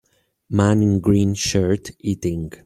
Man in green shirt eating.